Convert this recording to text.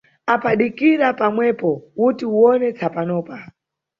Apa dikira pamwepo, uti uwone tsapanopa.